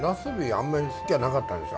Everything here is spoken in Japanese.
あんまり好きやなかったんですわ。